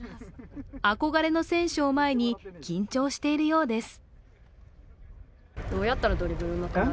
憧れの選手を前に、緊張しているようです。